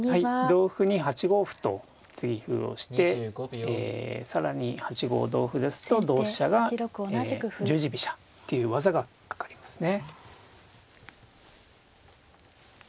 同歩に８五歩と継ぎ歩をして更に８五同歩ですと同飛車が十字飛車っていう技がかかりますね。